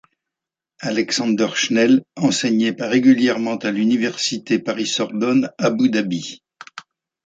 Alexander Schnell enseignait régulièrement à l’Université Paris-Sorbonne-Abou Dabi.